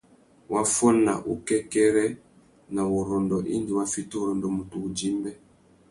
Wa fôna wukêkêrê na wurrôndô indi wa fiti urrôndô MUTU wudjï-mbê.